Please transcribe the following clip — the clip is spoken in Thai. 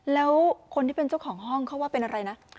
แล้วคนที่เป็นเจ้าของห้องเขาว่าเป็นอะไรนะ